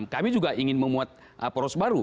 kami juga ingin memuat poros baru